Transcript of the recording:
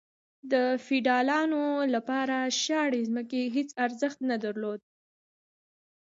د فیوډالانو لپاره شاړې ځمکې هیڅ ارزښت نه درلود.